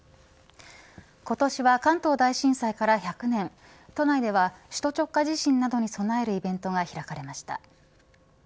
今年は関東大震災から１００年都内では首都直下地震などに備えるイベントが開かれました。